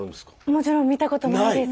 もちろん見たことないです。